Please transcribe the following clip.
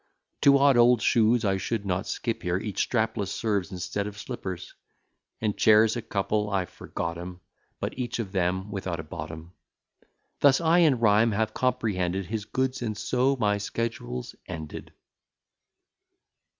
Two odd old shoes I should not skip here, Each strapless serves instead of slippers, And chairs a couple, I forgot 'em, But each of them without a bottom. Thus I in rhyme have comprehended His goods, and so my schedule's ended.